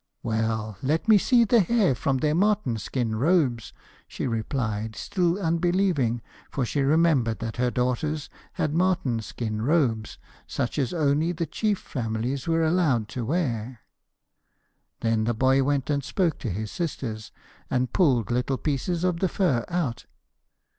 'Well, let me see the hair from their marten skin robes,' she replied, still unbelieving, for she remembered that her daughters had marten skin robes, such as only the chief families were allowed to wear. Then the boy went and spoke to his sisters, and pulled little pieces of the fur out.